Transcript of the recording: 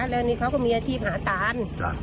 แล้วนี่เขาก็มีอาชีพหาตาน